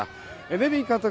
ネビン監督